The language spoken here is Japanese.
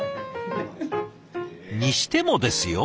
にしてもですよ？